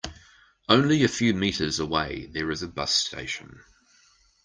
Only a few meters away there is a bus station.